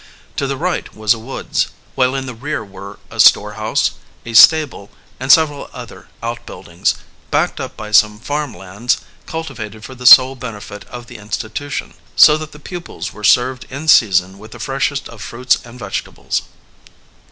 To the right was a woods, while in the rear were a storehouse, a stable, and several other outbuildings, backed up by some farm lands, cultivated for the sole benefit of the institution, so that the pupils were served in season with the freshest of fruits and vegetables.